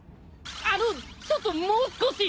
あのちょっともう少し。